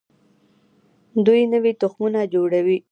دوی نوي تخمونه جوړوي.